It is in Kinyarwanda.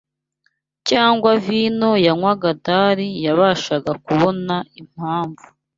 cyangwa vino yanywaga Dali yabashaga kubona Impamvu